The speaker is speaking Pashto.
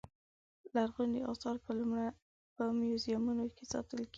لرغوني اثار په موزیمونو کې ساتل کېږي.